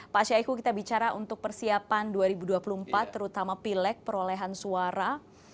pak syahiku kita bicara untuk persiapan dua ribu dua puluh empat terutama pilek perolehan suara